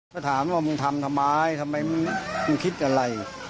ถ้าถามว่ามันทำทำไมทำไงมันมันคิดอะไร